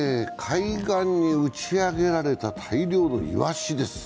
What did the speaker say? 海岸に打ち上げられた大量のいわしです。